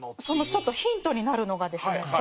そのちょっとヒントになるのがですね